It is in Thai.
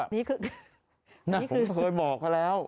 นี่ผมเคยบอกเขาแล้ว